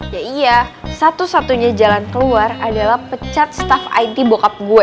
ya iya satu satunya jalan keluar adalah pecat staff it bokap gue